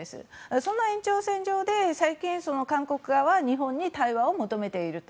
その延長線上で最近、韓国側が日本に対話を求めていると。